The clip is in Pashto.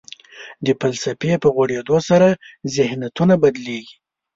د فلسفې په غوړېدو سره ذهنیتونه بدلېږي.